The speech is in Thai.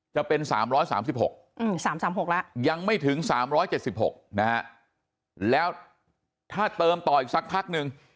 จะเป็น๓๓๖๓๓๖แล้วยังไม่ถึง๓๗๖นะฮะแล้วถ้าเติมต่ออีกสักพักนึง